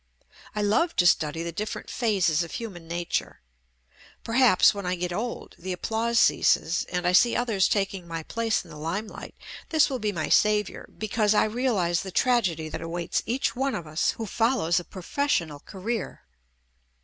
I love to study the different phases of human nature. Perhaps, when I get old, the applause ceases, and I see others taking my place in the limelight, this will be my saviour, because I realize the tragedy that awaits each one of us who follows a professional career.